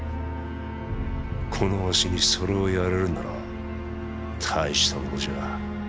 このわしにそれをやれるなら大した者じゃ。